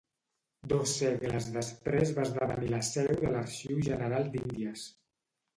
Dos segles després va esdevenir la seu de l'Arxiu General d'Índies.